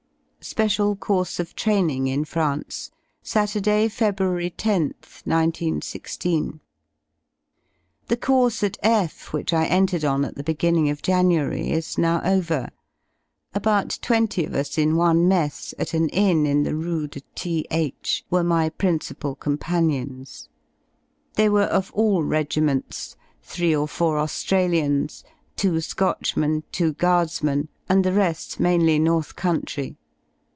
J SPECIAL COURSE OF TRAINING IN FRANCE Saturday, Feb. lOth, 1916. The course at F which I entered on at the beginning of January is now over. About twenty of us in one mess, at an inn in the rue de Th , were my principal com panions. They were of all regiments, three or four Au^ra lians, two Scotchmen, two Guardsmen, and the re^ mainly North Country.